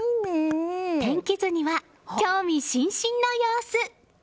天気図には興味津々の様子。